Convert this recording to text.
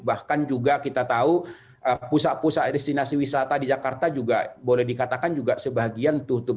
bahkan juga kita tahu pusat pusat destinasi wisata di jakarta juga boleh dikatakan juga sebagian tutup